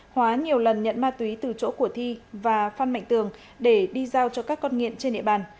hóa nhiều lần nhận ma túy từ chỗ của thi và phan mạnh tường để đi giao cho các con nghiện trên địa bàn